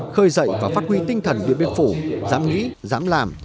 khơi dậy và phát huy tinh thần điện biên phủ dám nghĩ dám làm